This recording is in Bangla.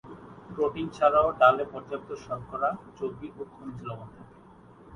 প্রোটিন ছাড়াও ডালে পর্যাপ্ত শর্করা, চর্বি ও খনিজ লবণ থাকে।